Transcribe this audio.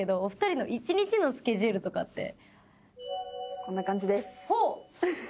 こんな感じです。